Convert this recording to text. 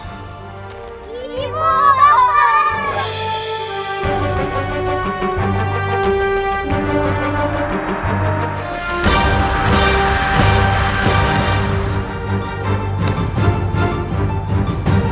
ini pun dapat